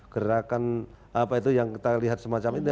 gerakan apa itu yang kita lihat semacam itu